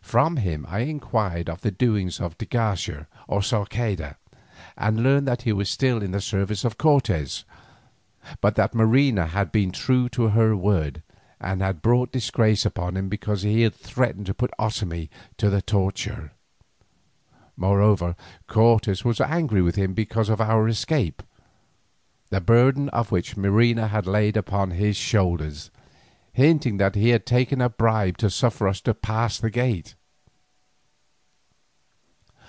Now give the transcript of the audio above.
From him I inquired of the doings of de Garcia or Sarceda, and learned that he was still in the service of Cortes, but that Marina had been true to her word, and had brought disgrace upon him because he had threatened to put Otomie to the torture. Moreover Cortes was angry with him because of our escape, the burden of which Marina had laid upon his shoulders, hinting that he had taken a bribe to suffer us to pass the gate.